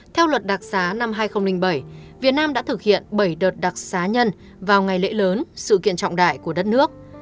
theo luật đặc giá năm hai nghìn bảy việt nam đã thực hiện bảy đợt đặc xá nhân vào ngày lễ lớn sự kiện trọng đại của đất nước